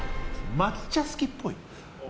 抹茶好きっぽい。